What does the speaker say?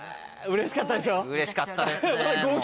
うれしかったでしょ？